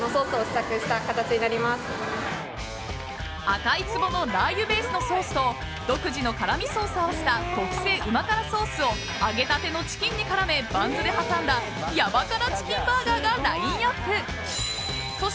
赤い壺のラー油ベースのソースと独自の辛みソースを合わせた特製うま辛ソースを揚げたてのチキンに絡めバンズで挟んだヤバ辛チキンバーガーがラインアップ。